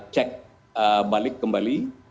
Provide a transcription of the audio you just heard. cek balik kembali